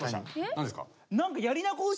何ですか？